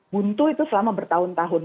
buntu itu selama bertahun tahun